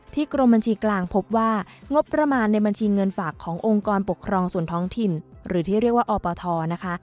กรมบัญชีกลางพบว่างบประมาณในบัญชีเงินฝากขององค์กรปกครองส่วนท้องถิ่นหรือที่เรียกว่าอปทนะคะ